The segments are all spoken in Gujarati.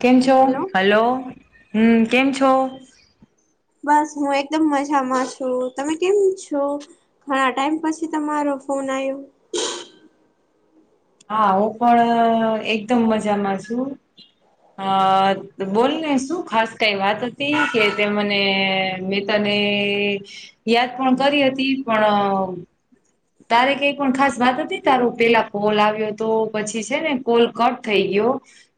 કેમ છો હેલો હલો હમ્મ કેમ છો? બસ હું એકદમ મજામાં છું. તમે કેમ છો? ઘણા ટાઈમ પછી તમારો ફોન આઈવો. હા હું પણ એકદમ મજામાં છું. અ બોલને શું ખાસ કઈ વાત હતી કે તે મને મી તને જ યાદ પણ કરી હતી પણ અ તારે કઈ પણ ખાસ વાત હતી તારું પેલા કોલ આવ્યો તો પછી છે ને કોલ કટ થઈ ગયો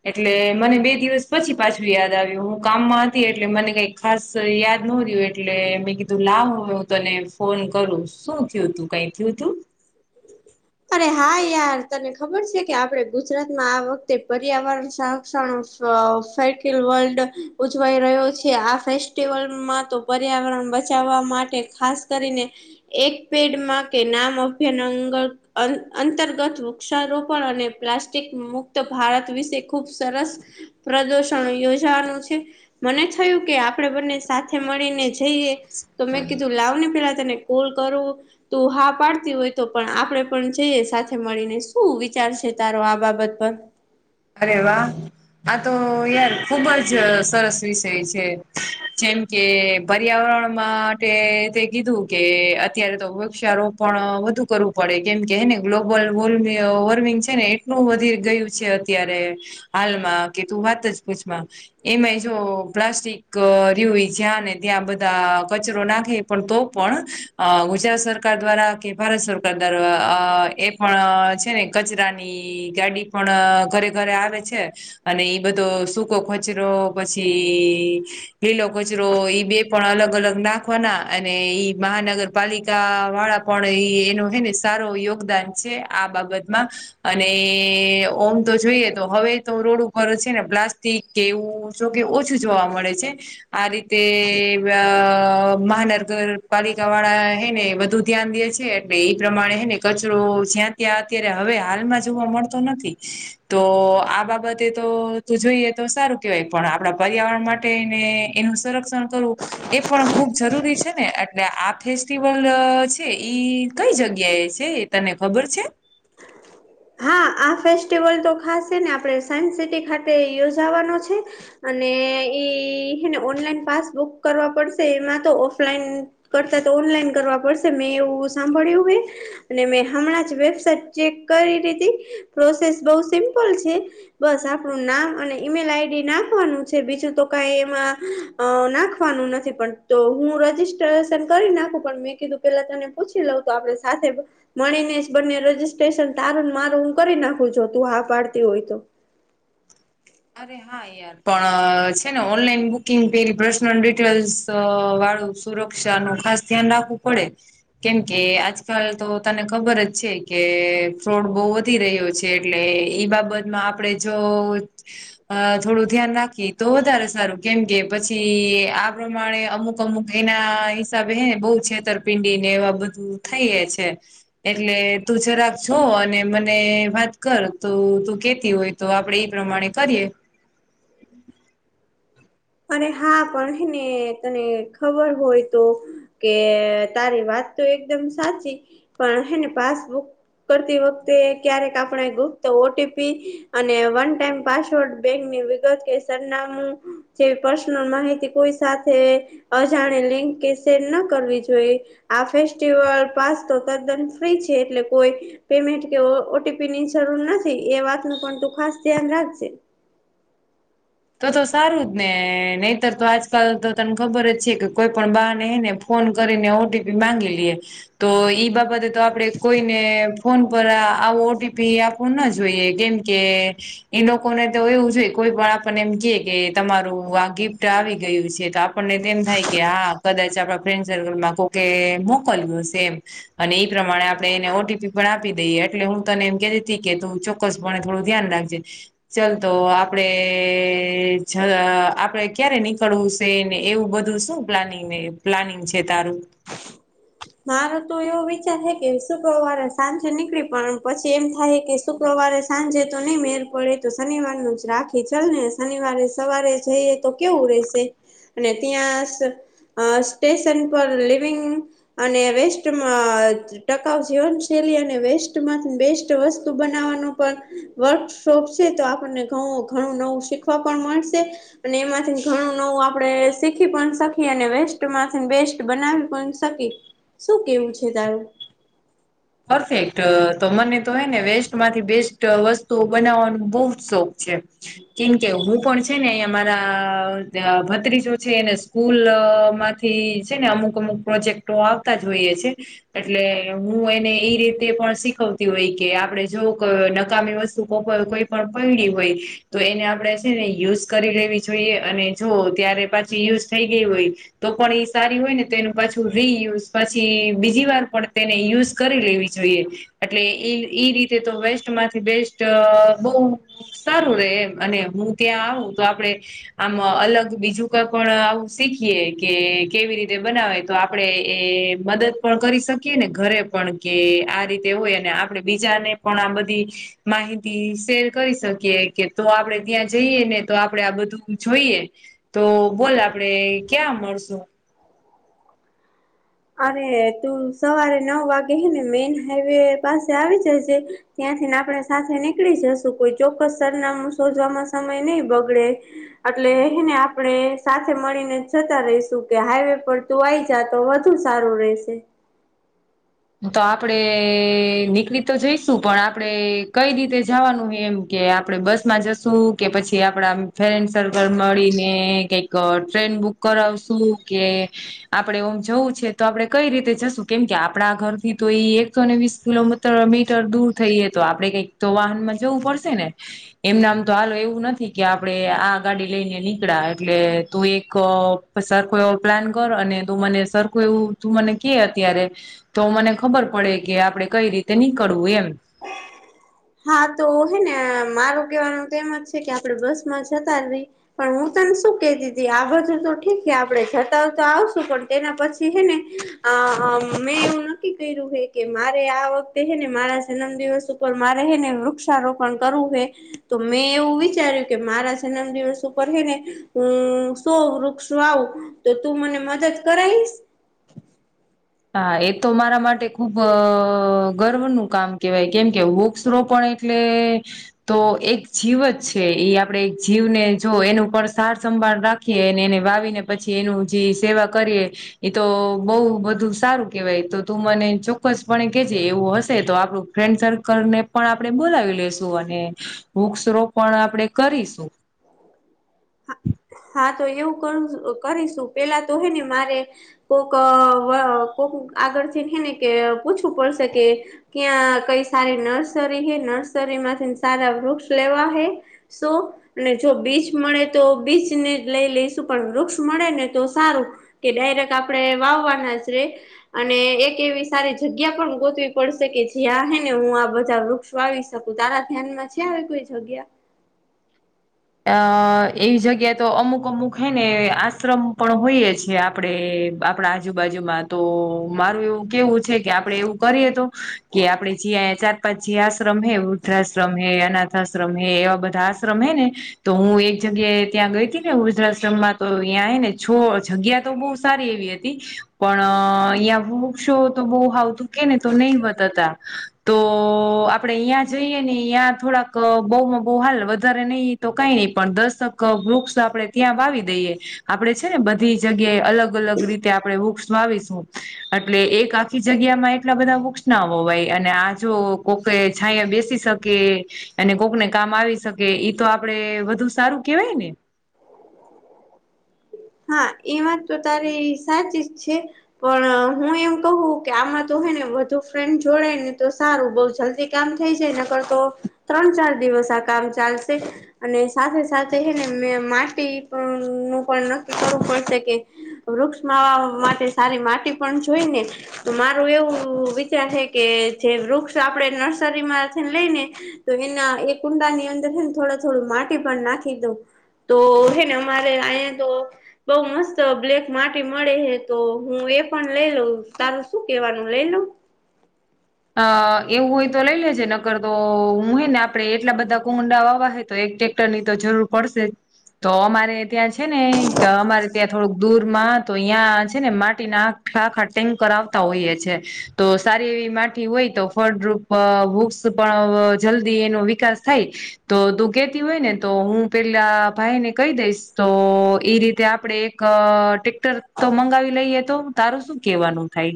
એટલે મને બે દિવસ પછી પાછું યાદ આવ્યું હું કામમાં હતી એટલે મને કઈક ખાસ યાદ નો રહ્યું એટલે મેં કીધું લાવ હવે હું તને ફોન કરું શું થયું તું કઈ થયુ તુ અરે હા યાર તને ખબર છે કે આપડે ગુજરાતમાં આ વખતે પર્યાવરણ સરક્ષણો અ ફેકીલ વર્લ્ડ ઉજવાઈ રહ્યો છે આ ફેસ્ટિવલમાં તો પર્યાવરણ બચાવવા માટે ખાસ કરીને એક પેડમાં કે નામ અભ્યન અંગલ અ અંતર્ગત વૃક્ષારોપણ અને પ્લાસ્ટિક મુક્ત ભારત વિશે ખૂબ સરસ પ્રદષણ યોજાવાનું છે. મને થયું કે આપણેે બંને સાથે મળીને જઈએ તો મેં હમ કીધું લાવને પેલા તને કોલ કરું તું હા પાડતી હોય તો પણ આપડે પણ જઈએ સાથે મળીને શું વિચાર છે તારો આ બાબત પર અરે વાહ આ તો યાર ખુબ જ સરસ વિષય છે જેમ કે પર્યાવરણ માટે તે કીધું કે અત્યારે તો વૃક્ષારોપણ વધુ કરું પડે કેમ કે હે ને ગ્લોબલ વોલ વોર્મિંગ છે ને એટલું વધી ગયું છે અત્યારે હાલમાં કે તું વાત જ પૂછમાં એમે જો પ્લાસ્ટિક રયો જ્યાં ને ત્યાં બધા કચરો નાખે પણ તો પણ ગુજરાત સરકાર દ્વારા કે ભારત સરકાર દ્વારા આ એ પણ છે ને કચરાની ગાડી પણ અ ઘરે ઘરે આવે છે અને ઈ બધો સૂકો કચરો પછી ઈ લીલો કચરો ઈ બે પણ અલગ અલગ નાખવાના અને ઈ મહાનગર પાલિકા વાળા પણ એ એનો હે ને સારો યોગદાન છે આ બાબતમાં અને ઓમ તો જોઈએ તો હવે તો રોડ ઉપર છે ને પ્લાસ્ટિક કેવું જો કે ઓછું જોવા મળે છે આ રીતે અ મહાનગર પાલિકા વાળા હે ને બધું ધ્યાન દે છે એટલે એ પ્રમાણે હે ને કચરો જ્યાં ત્યાં અત્યારે હવે હાલમાં જોવા મળતો નથી. તો આ બાબતે તો તું જોઈએ તો સારું કેવાય પણ આપણા પર્યાવરણ માટેને એનું સરક્ષ ક્ષણ કરવુ એ પણ ખુબ જરૂરી છે ને એટલે આ ફેસ્ટિવલ છે ઈ કઈ જગ્યાએ છે. તને ખબર છે? હા આ ફેસ્ટિવલ તો ખાસ છે ને આપણે સાયન્સ સિટી ખાતે યોજાવાનો છે. અને એઈ હેને ઓનલાઈન પાસબુક કરવા પડશે એમાં તો ઓફલાઈન કરતા તો ઓનલાઈન કરવા પડશે મેં એવું સાંભળ્યું હે અને મેં હમણાં જ વેબસાઇટ ચેક કરી લીધી પ્રોસેસ બઉ સિમ્પલ છે. બસ આપણું નામ અને ઈમેલ આઈડી નાખવાનું છે બીજું તો કાઈ એમાં અ નાખવાનું નથી પણ તો હું રજીસ્ટ્રેશન કરી નાખું પણ મેં કીધું પેલા તને પૂછી લઉ તો આપડે સાથે મળીને જ બંને રજીસ્ટ્રેશન તારું મારું હું કરી નાખું છું તું હા પાડતી હોય તો અરે હા એ પણ છે ને ઓનલાઈન બુકિંગ પેલી પર્સનલ ડિટેલ્સ વાળું સુરક્ષા નું ખાસ ધ્યાન રાખવું પડે. કેમ કે આજકાલ તો તને ખબર જ છે કે ફ્રોડ બહુ જ વધી રહ્યો છે એટલે ઈ બાબતમાં આપણેે જો અ થોડું ધ્યાન રાખી તો વધારે સારું કેમ કે પછી આ પ્રમાણે અમુક અમુક એના હિસાબે હે ને બહુ છેતરપિંડી ને એવા બધું થઈ એ છે. એટલે તું જરાક જો અને મને વાત કર તો તું કેતી હોય તો આપડે એ પ્રમાણે કરીએ. અને હા પણ છે ને તને ખબર હોય તો કે તારી વાત તો એકદમ સાચી પણ હેને પાસબુક કરતી વખતે ક્યારેક આપણે ગુપ્ત ઓટીપી અને વન ટાઈમ પાસવર્ડ બેકની તો કે સરનામું જેવી પર્સનલ માહિતી કોઈ સાથે અજાણે લિંક કે સેડ ના કરવી જોઈએ આ ફેસ્ટિવલ પાસ તો તદ્દન ફ્રી છે એટલે કોઈ પેમેન્ટ કે ઓટીપી ની જરૂર નથી એ વાતનું પણ તું ખાસ ધ્યાન રાખજે તો તો સારું જ ને નહીતર તો આજકાલ તો તને ખબર જ છે કે કોઈ પણ બાને હે ને ફોન કરીને ઓટીપી માંગી લઈએ તો ઈ બાબતે તો આપણે કોઈને ફોન પર આવું ઓટીપી આપવું ના જોઈએ કેમકે એ લોકો ને તો એવું જોઈ કોઈ પણ આપને એમ કે તમારું આ ગિફ્ટ આવી ગયું છે તો આપણને એમ થાય કે હા કદાચ આપણા ફ્રેન્ડ સર્કલમાં કોકે મોકલું સે એમ અને એઈ પ્રમાણે આપણે એને ઓટીપી પણ આપી દઈએ એટલે હું તને એમ કેતી કે તું જો ક્કસપ થોડું ધ્યાન રાખજે ચલ તો આપડે કે જ આપડે ક્યારે નીકળવું છે ને એવું બધું શું પ્લાનિંગને પ્લાનીગ છે તારું મારો તો એવો વિચાર હે કે શુક્રવારે સાંજે નીકળી પણ પછી એમ થાય કે શુક્રવારે સાંજે તો નહી મેર પડે તો શનિવારનું જ રાખી ચાલ ને શનિવારે સવારે જઈ તો કેવું રેશે અને ત્યાં સ્ટેશન પર લિવિંગ અને વેસ્ટમાં ટકાઉ જીવનશૈલી અને વેસ્ટ માંથી બેસ્ટ વસ્તુ બનાવવાનું પણ વર્કશોપ છે તો આપણને ઘણું ઘણું નવું શીખવા પણ મળશે અને એમાંથી ઘણું નવું આપણે શીખી પણ શકીએ અને વેસ્ટમાંથી બેસ્ટ બનાવી પણ સકી શું કેવું છે તારું પરફેક્ટ તો મને તો હોય ને વેસ્ટ માંથી બેસ્ટ વસ્તુઓ બનાવવાનું બહુ જ શોખ છે કેમકે હું પણ છે ને અહિયાં મારા ભત્રીજો છે એને સ્કૂલ માંથી છે ને અમુક અમુક પ્રોજેક્ટો આવતા જ હોઈએ છે એટલે હું એ એ રીતે પણ શીખવતી હોય કે આપડે જો નકામી વસ્તુ કોઈ પણ પૈડી હોય તો એને આપણે છે ને યુઝ કરી લેવી જોઈએ અને જો ત્યારે પાછી યુઝ થઈ ગઈ હોય તો પણ એ સારી હોય ને તો એનું પાછું રીયુઝ પછી બીજી વાર પણ તેને યુઝ કરી લેવી જોઈએ એટલે એઈ રીતે તો વેસ્ટમાંથી બેસ્ટ બહુ સારું રે એમ અને હું ત્યાં આવું તો આપડે આમ અલગ બીજું કઈ પણ આવું શીખીએ કે કેવી રીતે બનાવે તો આપણેે એ મદદ પણ કરી શકીએ ને ઘરે પણ કે આ રીતે હોય અને આપડે બીજાને પણ આ બધી માહિતી શેર કરી શકીએ કે તો આપડે ત્યાં જઈએ ને તો આપડે આ બધું જોઈએ તો બોલ આપડે ક્યાં મળશુ અને તું સવારે નવ વાગે હેને મેન હાઈવે પાસે આવી જજે ત્યાંથી ને આપણે સાથે નીકળી જશું કોઈ ચોક્કસ સરનામું શોધવામાં સમય નહી બગડે એટલે હેને આપણે સાથે મળીને જતા રહીશું કે હાઈવે પર તું આઈ જા તો સારું રહેશે તો આપડે નીકળી તો જઈશું પણ આપણેે કઈ રીતે જવાનું હોય એમ કે આપડણે બસમાં જશું કે પછી આપડા ફ્રેન્ડ સર્કલ મળીને કઈક ટ્રેન બુક કરાવશું કે આપડે ઓમ જવું છે તો આપડે કઈ રીતે જશું કેમ કે આપણા ઘર થી તો એ એકસોને વીસ કિલોમીટર મીટર દૂર થઈએ તો આપડે કઈક તો વાહનમાં જવું પડશે ને એમનામ તો હાલ એવું નથી કે આપડે આ ગાડી લઈને નીકળા એટલે તું એક પર સરખું એવો પ્લાન કરો અને તું મને સરખું એવું તું મને કે અત્યારે. તો મને ખબર પડે કે આપડે કઈ રીતે નીકળવું એમ. હા તો હે ને મારું કેવાનું તો એમ જ છે કે આપડે બસ માં જતા રહી. પણ હું તને શું કે તી તી આ બધું તો ઠીક છે આપડે જતા હો તો આવશું પણ તેના પછી હે ને આ હા મેં એવું નક્કી કર્યું હે કે મારે આ વખતે હેને મારા જન્મ દિવસ ઉપર મારે હે ને વૃક્ષારોપણ કરવું હે તો મેં એવું વિચાર્યું કે મારા જન્મ દિવસ ઉપર છહે ને હું સો વૃક્ષ વાવું. તો તું મને મદદ કરાઈસ. હા એ તો મારા માટે ખુબ આ ગર્વનું કામ કેહેવાય કેમ કે વૃક્ષ રોપણ એ એટલે તો એક જીવ જ છે ઈ આપડે એક જીવને જો એનું ઉપર સાર સંભાળ રાખ રાખીએ એને વાવીને પછી એનું જે સેવા કરીએ એ તો બો બધું શું સારું કહેવાય તો તું મને ચોક્કસપણે કેજે એવું હશે તો આપણું ફ્રેન્ડ સર્કલ ને પણ આપણે બોલાવી લેશું અને વૃક્ષ રોપણ આપડે કરીશું. હા તો એવું કર કરીશું પેલા તો હે ને મારે કોક આ વા કોક આગળથી હે ને કે પૂછવું પડશે કે ક્યાં કઈ સારી નર્સરી હૈ નર્સરી માંથી સારા વૃક્ષ લેવા હૈ. શો અને જો બીચ મળે તો બીચ ને જ લઈ લઈશું પણ વૃક્ષ મળે ને તો સારું. કે ડાયરેક્ટ આપણે વાવવાના જ રે. અને એક એવી સારી જગ્યા પણ ગોતવી પડશે કે જ્યાં હે ને હું આ બધા વૃક્ષ વાવી શકું તારા ધ્યાનમાં છે આવી કોઈ જગ્યા. અ એવી જગ્યા તો અમુક અમુક હૈ ને આશ્રમ પણ હોઈએ છે આપ આપડે આપણા આજુબાજુમાં તો મારું એવું કેવું છે કે આપડે એવું કરીએ તો કે આપડે જ્યાયા ચાર પાંચ જે આશ્રમ હે વૃદ્ધાશ્રમ હે અનાથ આશ્રમ હે એવા બધા આશ્રમ હે ને તો હું એક જગ્યાએ ત્યાં ગઈ હતી ને વૃધાશ્રમ માં તો ત્યાં એ ને છો જગ્યા તો બો જ સારી એવી હતી. પણ અહીંય વૃક્ષો તો બહુ આવાવતું કેને તો નહી વતાતા. તો આપડે અહીંયાં જઈએ ને અહીંયા થોડાક બહુમાં બહુ હાલ વધારે નહી તો કઈ નહી પણ દસ તક વૃક્ષસ આપડે ત્યાં વાવી દઈએ. આપડે છે ને બધી જગ્યાએ અલગ અલગ રીતે આપણે વૃક્ષ વાવીશું. એટલે એક આખી જગ્યા માં એટલા બધા વુક્સ ના બોવાય અને આ જો કોક કે છાંયા બેસી શકે અને કોકને કામ આવી શકે ઈ તો આપડે વધુ સારું કેવાય ને. [inaudible] હા એ વાત તો તારી સાચી જ છે. પણ હું એમ કું કે આમાં તો હે ને વધુ ફ્રેન્ડ જોડાય ને તો સારું બઉ જલ્દી કામ થઈ જાય કરતો ત્રણ ચાર દિવસ આ કામ ચાલશે. અને સાથે સાથે હે ને મેં માટી પણ નું પણ નક્કી કરવું પડશે કે વૃક્ષ મા માટી સારી માટી પણ જોઈ ને. તો મારું એવું વિચાર છે કે જે વૃક્ષ આપડે નર્સરી માંથીને લઈ ને તો એના એ કુંડા ની અંદર હે ને થોડ થોડું માટી પણ નાખી દઉ. તો હે ને અમારે આયા તો બઉ મસ્ત બ્લેક માટી મળે હે તો હું એ પણ લઈ લઉ તારું શું કેવાનું લઈ લઉ. અ એવું હોય તો લઈ લેજે નકર તો હું હું હે ને આપડે એટલા બધા કુંડા વાવા હોય તો એક ટેક ટ્રેક્ટર ની તો જરૂર પડશે જ તો અમારે ત્યાં છે ને કે અમારે ત્યાં થોડુંક દૂર માં તો અહીંય છે ને માટીના આખ આખા ટેન્કર આવતા હોઈએ છે તો સારી એવી માટી હોય તો ફળરૂપ વુક્સ પણ જલ્દી એનો વિકાસ થાય. તો તું કેતી હોય ને તો હું પેલા ભાઈ ને કહી દઈશ તો એ રીતે આપડે એક કા ટ્રેક્ટર તો મંગાવી લઈએ તો તારું શું કેવાનું થાય.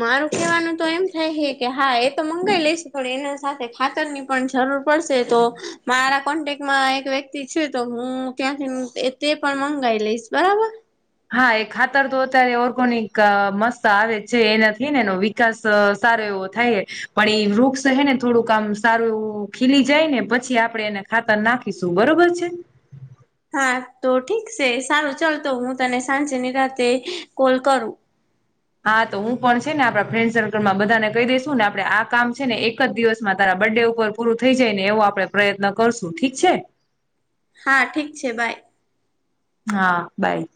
મારું કેહેવાનું તો એમ થાય કે હા એ તો મંગાવી લઈશ પણ એના સાથે ખાતર ની પણ જરૂર પડશે તો મારા કોન્ટેકમાં એક વ્યક્તિ છે તો હું ત્યાંથી તે પણ મંગાઈ લઈશ બરાબર. હા એ ખાતર તો અત્યારે ઓર્ગેનિક મસ્ત આવે છે એનાથીઈ ને એ- વિકાસ સારો એવો થાય પણ એ વૃક્ષ હે ને થોડુંક આમ સારું એવું ખીલી જાય ને પછી આપણેે એને ખાતર નાખીશું બરોબર છે. હા તો ઠીક છે સારું ચલ તો હું તને સાંજેની રાતે કોલ કરું. હા તો હું પણ છે ને આપડા ફ્રેન્ડ સર્કલમાં બધા ને કહી દઈસું ને આપડે આ કામ છે ને એક જ દિવસમાં તારા બર્થ ડે ઉપર પૂરું થઈ જાય ને એવો આપણેે પ્રયત્ન કરશું ઠીક છે. હા ઠીક છે બાય. હા બાય.